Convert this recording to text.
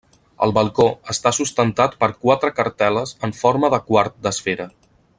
El balcó està sustentat per quatre cartel·les en forma de quart d'esfera.